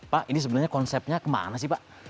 pak ini sebenarnya konsepnya kemana sih pak